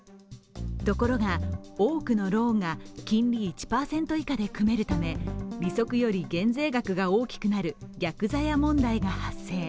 ところが、多くのローンが金利１％以下で組めるため利息より減税額が大きくなる逆ざや問題が発生。